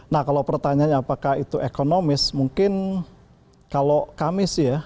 nah kalau pertanyaannya apakah itu ekonomis mungkin kalau kami sih ya